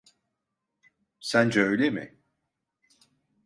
Sence öyle mi?